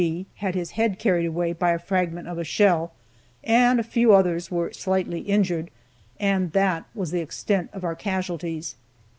G had his head carried away by a fragment of a shell, and a few others were slightly injured, and that was the extent of our casualties.